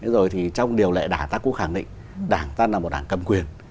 rồi thì trong điều lệ đảng ta cũng khẳng định đảng ta là một đảng cầm quyền